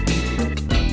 terima kasih bang